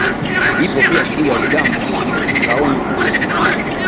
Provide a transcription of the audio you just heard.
Ipo pia shule ya Rugambwa mkaoni Kagera